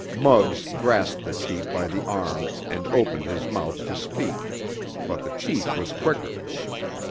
Muggs grasped the chief by the arm and opened his mouth to speak, but the chief was quicker.